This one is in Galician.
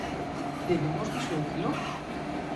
¿Debemos disuadilo?